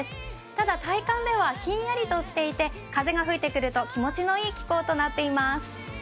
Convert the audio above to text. ただ体感ではひんやりとしていて風が吹いてくると気持ちのいい気候となっています。